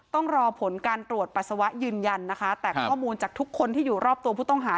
ต้องรอผลการตรวจปัสสาวะยืนยันนะคะแต่ข้อมูลจากทุกคนที่อยู่รอบตัวผู้ต้องหา